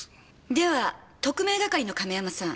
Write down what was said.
では特命係の亀山さん。